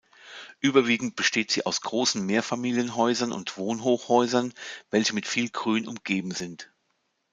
Überwiegend besteht sie aus großen Mehrfamilienhäusern und Wohnhochhäusern, welche mit viel Grün umgeben sind.